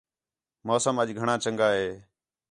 موسم اَڄ گھݨاں چَنڳا ہے